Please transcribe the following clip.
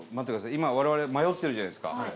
今、我々迷ってるじゃないですか。